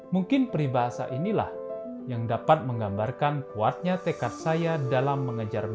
mungkin peribahasa inilah yang dapat menggambarkan kuatnya tekad saya dalam mengejar